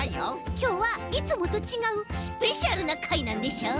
きょうはいつもとちがうスペシャルなかいなんでしょう？